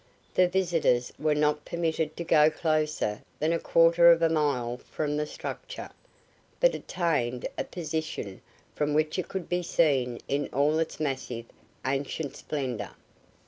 The visitors were not permitted to go closer than a quarter of a mile from the structure, but attained a position from which it could be seen in all its massive, ancient splendor.